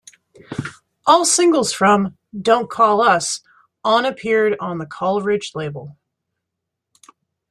All singles from "Don't Call Us..." on appeared on the Claridge label.